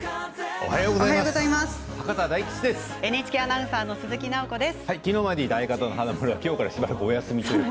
おはようございます。